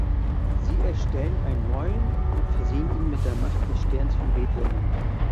Sie erstellen einen neuen und versehen ihn mit der Macht des Sterns von Betlehem.